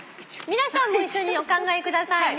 皆さんも一緒にお考えくださいね。